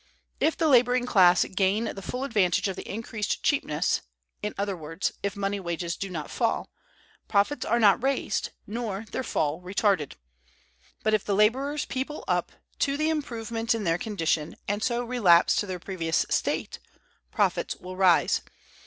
If the laboring class gain the full advantage of the increased cheapness, in other words, if money wages do not fall, profits are not raised, nor their fall retarded. But, if the laborers people up to the improvement in their condition, and so relapse to their previous state, profits will rise.